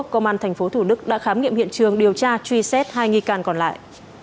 công an tp thủ đức đã khám nghiệm hiện trường điều tra truy xét hai nghi can còn lại